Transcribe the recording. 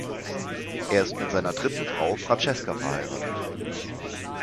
Er ist mit seiner dritten Frau Francesca verheiratet.